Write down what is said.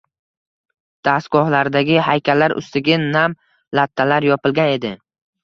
dastgohlardagi haykallar ustiga nam lattalar yopilgan edi.